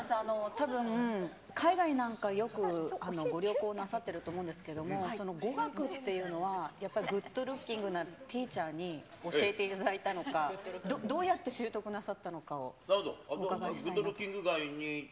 たぶん、海外なんかをよくご旅行なさってると思うんですけど、語学っていうのは、やっぱりグッドルッキングなティーチャーに教えていただいたのか、どうやって習得なさったのか。